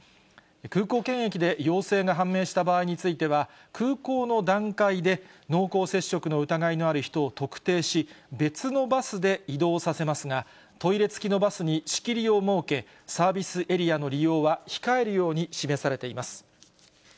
空港検疫で陽性が判明した場合については、空港の段階で濃厚接触の疑いのある人を特定し、別のバスで移動させますが、トイレ付きのバスに仕切りを設け、サービスエリアの利用は控えるように示されています。